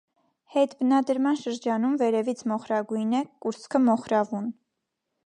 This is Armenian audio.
Հետբնադրման շրջանում վերևից մոխրագույն է, կուրծքը՝ մոխրավուն։